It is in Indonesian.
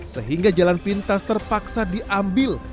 sehingga jalan pintas terpaksa diambil